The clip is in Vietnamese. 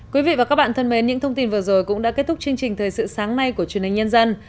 quý vị và các bạn thân mến những thông tin vừa rồi cũng đã kết thúc chương trình thời sự sáng nay của truyền hình nhân dân